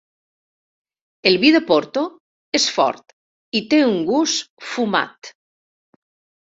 El vi de Porto és fort i té un gust fumat.